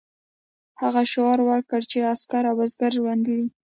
هغه شعار ورکړ چې عسکر او بزګر ژوندي دي.